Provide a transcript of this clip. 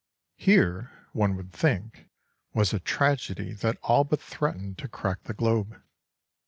Here, one would think, was a tragedy that all but threatened to crack the globe.